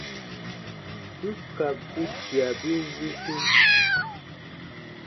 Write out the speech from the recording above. N ka bikia bi wisi,